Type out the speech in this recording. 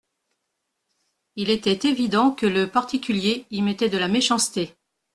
Il était évident que le particulier y mettait de la méchanceté…